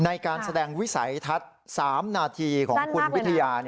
ในการแสดงวิสัยทัศน์๓นาทีของคุณวิทยา